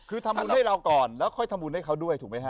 คือทำบุญให้เราก่อนแล้วค่อยทำบุญให้เขาด้วยถูกไหมฮะ